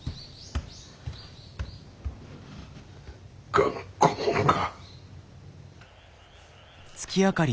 頑固もんが。